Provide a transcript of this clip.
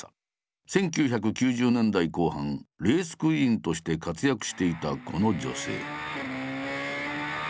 １９９０年代後半レースクイーンとして活躍していたこの女性。